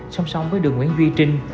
song song với đường nguyễn duy trinh